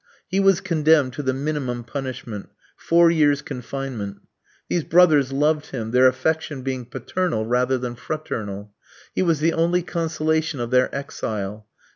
He was condemned to the minimum punishment four years' confinement. These brothers loved him, their affection being paternal rather than fraternal. He was the only consolation of their exile.